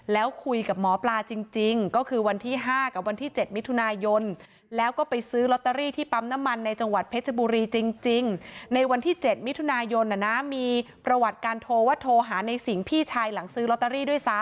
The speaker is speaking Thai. แล้วคุยกับหมอปลาจริงก็คือวันที่๕กับวันที่๗มิถุนายนแล้วก็ไปซื้อลอตเตอรี่ที่ปั๊มน้ำมันในจังหวัดเพชรบุรีจริงในวันที่๗มิถุนายนมีประวัติการโทรว่าโทรหาในสิงห์พี่ชายหลังซื้อลอตเตอรี่ด้วยซ้